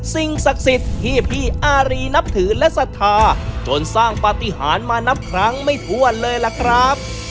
สิ่งศักดิ์สิทธิ์ที่พี่อารีนับถือและศรัทธาจนสร้างปฏิหารมานับครั้งไม่ถ้วนเลยล่ะครับ